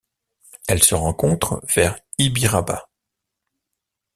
Elle se rencontre vers Ibiraba.